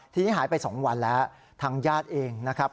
ทีนี้หายไป๒วันแล้วทางญาติเองนะครับ